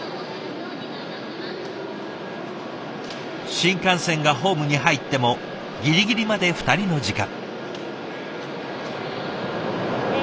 新幹線がホームに入ってもギリギリまで２人の時間。